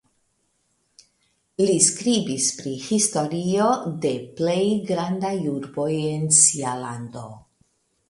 Li skribis pri historio de plej grandaj urboj en sia lando.